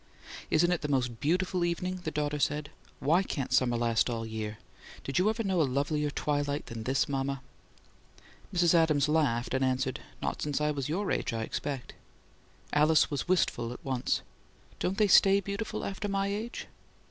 "Isn't it the most BEAUTIFUL evening!" the daughter said. "WHY can't summer last all year? Did you ever know a lovelier twilight than this, mama?" Mrs. Adams laughed, and answered, "Not since I was your age, I expect." Alice was wistful at once. "Don't they stay beautiful after my age?"